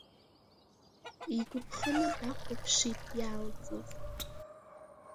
Игәарԥханы даахәаԥшит иалҵыз.